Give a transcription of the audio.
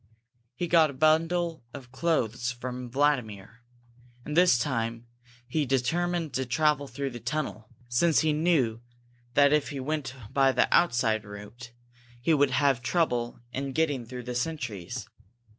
He got a bundle of clothes from Vladimir, and this time he determined to travel through the tunnel, since he knew that if he went by the outside route he would have trouble in getting through the sentries.